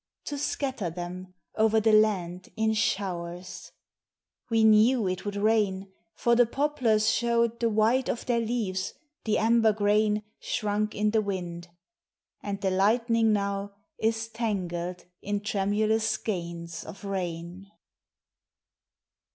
To scatter them over the land in Bhowei We knew it would r,in. fpr the poplars showed The white of their leaves, the amber grain 118 POEMS Oh NATURE. Shrunk in the wind — and the lightning now Is tangled in tremulous skeins of rain.